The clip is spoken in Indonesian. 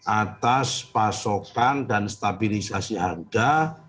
atas pasokan dan stabilisasi harga